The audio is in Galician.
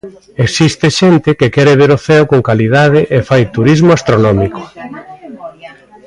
Existe xente que quere ver o ceo con calidade e fai turismo astronómico.